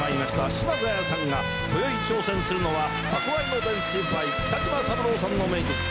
島津亜矢さんがこよい挑戦するのは憧れの大先輩北島三郎さんの名曲。